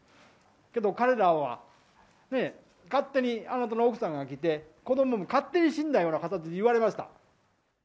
けど、彼らは勝手にあなたの奥さんが来て、子どもも勝手に死んだような形で言われました。